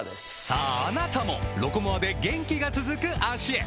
さああなたも「ロコモア」で元気が続く脚へ！